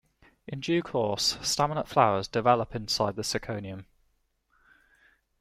In due course, staminate flowers develop inside the syconium.